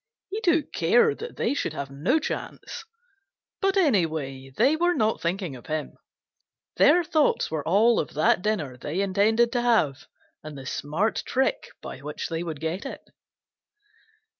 He took care that they should have no chance. But anyway, they were not thinking of him. Their thoughts were all of that dinner they intended to have, and the smart trick by which they would get it.